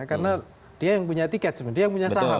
karena dia yang punya tiket sebenarnya dia yang punya saham